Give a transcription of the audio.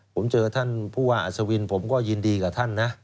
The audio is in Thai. ผมเจอท่านผู้ว่าอัศวินผมก็ยินดีกับท่านนะ